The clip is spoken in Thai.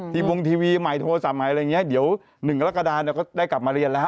ที่วงทีวีหมายโทรศัพท์หมายอะไรอย่างนี้เดี๋ยว๑ละกระดาษเราก็ได้กลับมาเรียนแล้ว